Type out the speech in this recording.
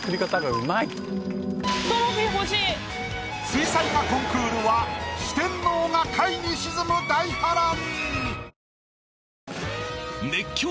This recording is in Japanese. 水彩画コンクールは四天王が下位に沈む大波乱！